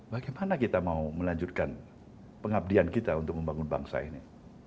bagaimana kita mau melanjutkan pengabdian kita untuk membangun bangsa ini